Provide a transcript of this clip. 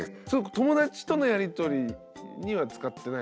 友達とのやりとりには使ってないのか。